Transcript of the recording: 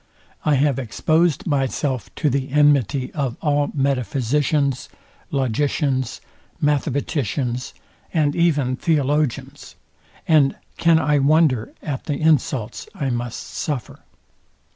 I have exposed myself to the enmity of all metaphysicians, logicians, mathematicians, and even theologians; and can I wonder at the insults I must suffer?